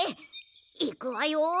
いくわよ。